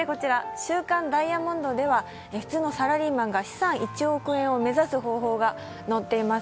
「週刊ダイヤモンド」では普通のサラリーマンが資産１億円を目指す方法が載っています。